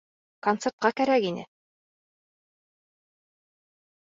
Концертҡа кәрәк ине.